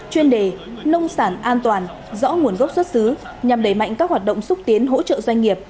chuyên đề nông sản an toàn rõ nguồn gốc xuất xứ nhằm đẩy mạnh các hoạt động xúc tiến hỗ trợ doanh nghiệp